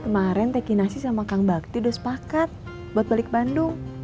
kemarin teki nasi sama kang bakti udah sepakat buat balik bandung